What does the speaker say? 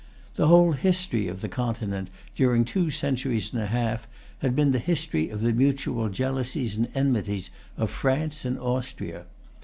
The whole history of the Continent, during two centuries and a half, had been the history of the mutual jealousies and enmities of France and Austria.